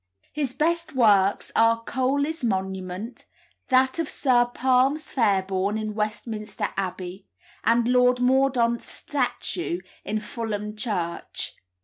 His best works are Cowley's monument, that of Sir Palmes Fairborne in Westminster Abbey, and Lord Mordaunt's statue in Fulham church.